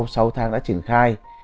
sau sáu tháng đã triển khai